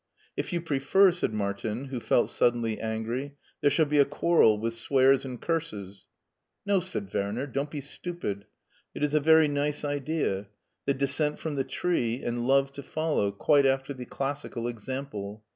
"If you prefer," said Martin, who felt suddenly angry, "there shall be a quarrel with swears and curses." "No," said Werner; "don't be stupid. It is a very nice idea. The descent from the tree, and love to follow, quite after the classical example.